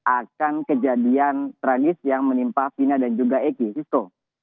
akan kejadian tragis yang menimpa fina dan juga eki francisco